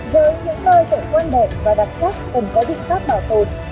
với những nơi tẩy quan đẹp và đặc sắc cần có định pháp bảo tội